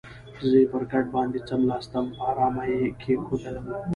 زه یې پر کټ باندې څملاستم، په آرامه یې کېښودلم.